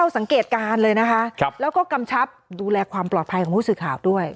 สังเกตการณ์เลยนะคะแล้วก็กำชับดูแลความปลอดภัยของผู้สื่อข่าวด้วย